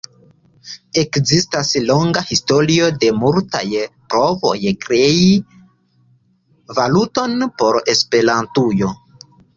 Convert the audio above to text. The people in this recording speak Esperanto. Ekzistas longa historio de multaj provoj krei valuton por Esperantujo.